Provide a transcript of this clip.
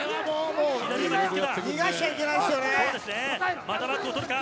逃がしちゃいけないですよね。